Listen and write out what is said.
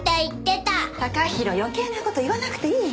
貴大余計な事言わなくていいの。